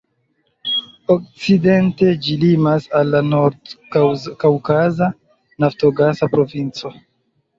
Okcidente ĝi limas al la Nord-Kaŭkaza naftogasa provinco.